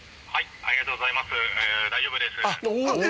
ありがとうございます。